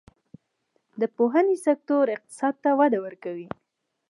د پوهنې سکتور اقتصاد ته وده ورکوي